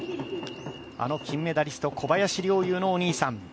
あの金メダリスト小林陵侑のお兄さん。